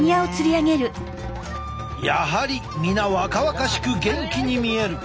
やはり皆若々しく元気に見える。